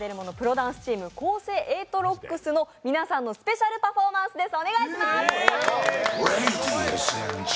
ダンスチームＫＯＳＥ８ＲＯＣＫＳの皆さんのスペシャルパフォーマンスです。